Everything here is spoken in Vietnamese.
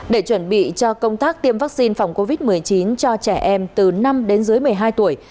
để chuẩn bị cho công tác tiêm vaccine phòng covid một mươi chín cho trẻ em từ năm đến dưới một mươi hai tuổi